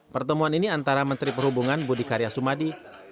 pertemuan ini antara menteri perhubungan budi karya sumadi